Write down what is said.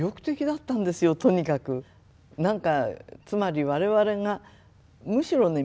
なんかつまり我々がむしろね